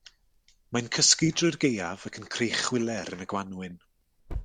Mae'n cysgu drwy'r gaeaf ac yn creu chwiler yn y gwanwyn.